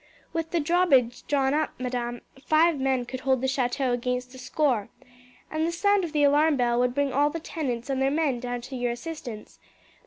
"With the drawbridge drawn up, madam, five men could hold the chateau against a score, and the sound of the alarm bell would bring all the tenants and their men down to your assistance.